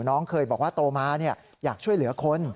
น้องเคยบอกว่าโตมาอยากช่วยเหลือคน